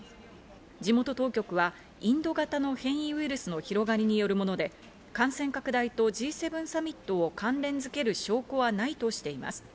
地元当局はインド型の変異ウイルスの広がりによるもので、感染拡大とＧ７サミットを関連づける証拠はないとしています。